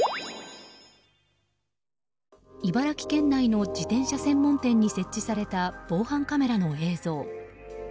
茨城県内の自転車専門店に設置された防犯カメラの映像。